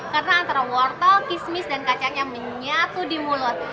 karena antara wortel kismis dan kacangnya menyatu di mulut